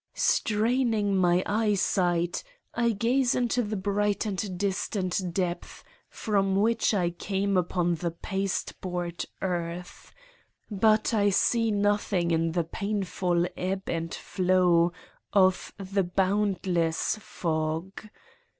Straining my eyesight, I gaze into the bright and distant depth from which I came upon this pasteboard earth but I see nothing in the painful ebb and flow of the boundless fog.